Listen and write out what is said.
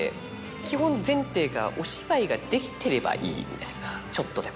基本前提がお芝居ができてればいいみたいなちょっとでも。